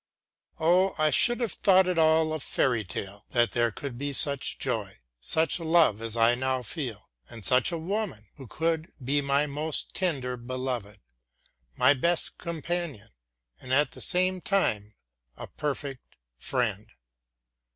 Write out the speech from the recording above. Oh, I should have thought it all a fairy tale that there could be such joy, such love as I now feel, and such a woman, who could be my most tender Beloved, my best companion, and at the same time a perfect friend.